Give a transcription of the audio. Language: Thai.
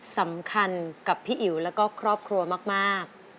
สำคัญกับพี่อิ๋วแล้วก็ครอบครัวมาก